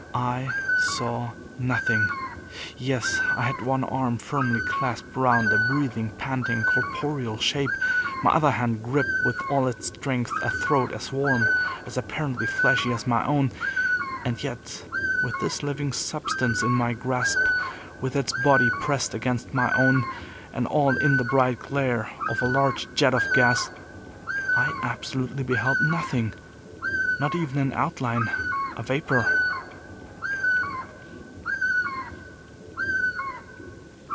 I saw nothing! Yes; I had one arm firmly clasped round a breathing, panting, corporeal shape, my other hand gripped with all its strength a throat as warm, as apparently fleshy, as my own; and yet, with this living substance in my grasp, with its body pressed against my own, and all in the bright glare of a large jet of gas, I absolutely beheld nothing! Not even an outline, a vapor!